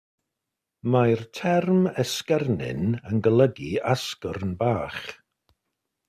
Mae'r term esgyrnyn yn golygu asgwrn bach.